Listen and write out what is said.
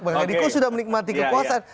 bang eriko sudah menikmati kekuatan